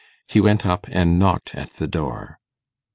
He went up and knocked at the door.